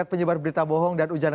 terima kasih mas jadi